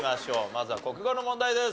まずは国語の問題です。